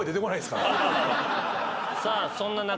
さあそんな中。